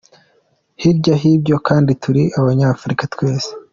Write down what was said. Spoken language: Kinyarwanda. Hirya y’ibyo kandi turi Abanyafurika twese.